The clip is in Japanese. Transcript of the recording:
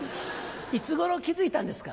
いつ頃気付いたんですか？